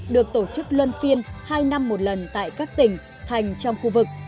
được tổ chức luân phiên hai năm một lần tại các tỉnh thành trong khu vực